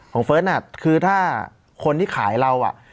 ของเฟิร์ตน่ะคือถ้าคนที่ขายเรา